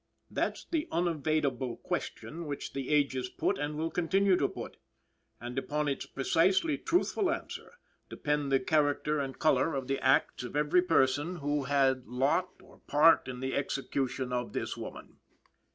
That's the unevadable question which the ages put and will continue to put. And upon its precisely truthful answer, depend the character and color of the acts of every person who had lot or part in the execution of this woman.